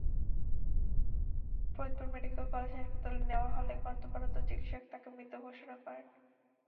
Faridpur medical college হাসপাতালে নেওয়া হলে কর্তব্যরত চিকিৎসক তাকে মৃত ঘোষণা করেন।